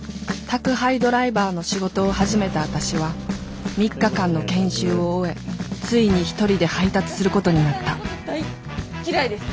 宅配ドライバーの仕事を始めた私は３日間の研修を終えついに１人で配達することになった大っ嫌いです。